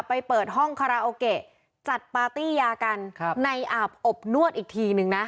ไปเปิดห้องจัดปาร์ตี้ยากันครับในอาบอบนวดอีกทีหนึ่งนะ